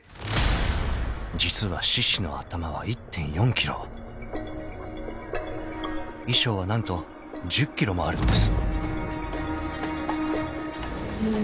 ［実は獅子の頭は１．４ｋｇ衣装は何と１０ｋｇもあるのです］